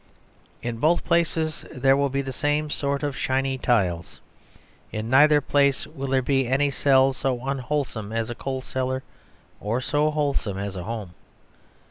In both places there will be the same sort of shiny tiles. In neither place will there be any cell so unwholesome as a coal cellar or so wholesome as a home.